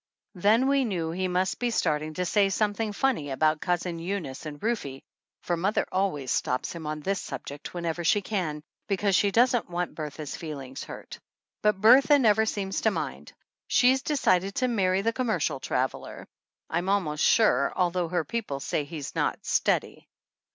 Then we knew he must be starting to say something funny about Cousin Eunice and Rufe, for mother always stops him on this subject whenever she can, because she doesn't want Bertha's feelings hurt. But Bertha never seems to mind. She's decided to marry the com mercial traveler, I'm almost sure, although her people say he's not "steady."